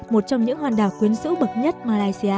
một trong những hoàn đảo quyến sữ bậc nhất malaysia